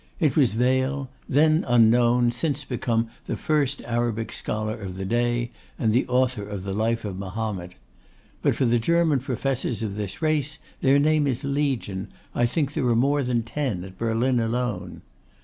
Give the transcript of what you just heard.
It was Wehl; then unknown, since become the first Arabic scholar of the day, and the author of the life of Mahomet. But for the German professors of this race, their name is Legion. I think there are more than ten at Berlin alone.